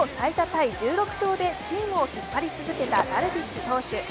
タイ１６勝でチームを引っ張り続けたダルビッシュ投手。